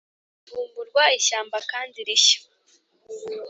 ivumburwa ishyamba kandi rishya,